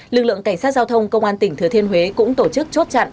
lực lượng cảnh sát giao thông công an tỉnh thừa thiên huế cũng tổ chức chốt chặn